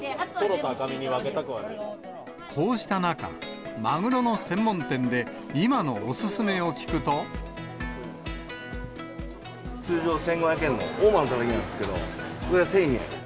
こうした中、マグロの専門店で、通常１５００円の大間のたたきなんですけど、これが１０００円。